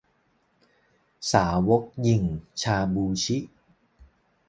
สาวกหยิ่ง ชาบู ชิ